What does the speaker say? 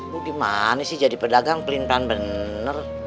lu gimana sih jadi pedagang pelintaran bener